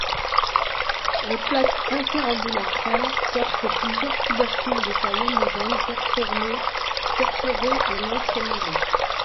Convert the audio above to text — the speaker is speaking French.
Les plaques interambulacraires portent plusieurs tubercules de taille homogène, perforé et non crénulé.